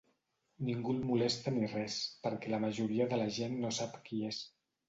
Ningú el molesta ni res, perquè la majoria de la gent no sap qui és.